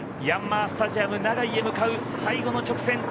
ヤンマースタジアム長居へ向かう最後の直線。